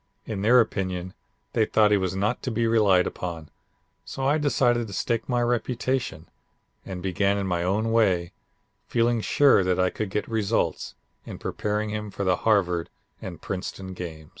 In their opinion they thought he was not to be relied upon, so I decided to stake my reputation, and began in my own way, feeling sure that I could get results, in preparing him for the Harvard and Princeton games.